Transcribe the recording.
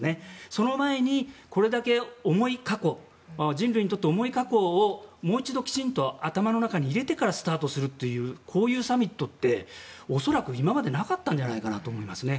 そのまえに、これだけ人類にとって重い過去をもう一度頭の中に入れてからスタートするというこういうサミットって恐らく今までなかったんじゃないかと思いますね。